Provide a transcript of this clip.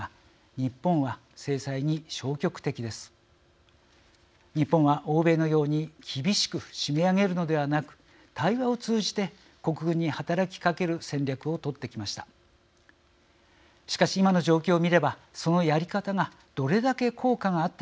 日本は欧米のように厳しく締め上げるのではなく対話を通じて国軍に働きかける戦略を取ってきました。